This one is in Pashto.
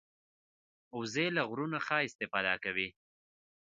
وزې له غرونو ښه استفاده کوي